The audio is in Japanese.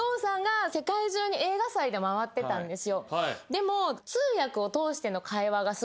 でも。